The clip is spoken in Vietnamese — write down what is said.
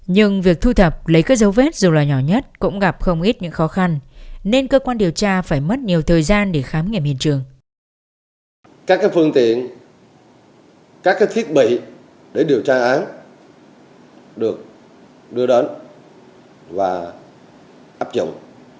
nhưng việc thu thập lấy các dấu vết dù là nhỏ nhất cũng gặp không ít những khó khăn nên cơ quan điều tra phải mất nhiều thời gian để khám nghiệm hiện trường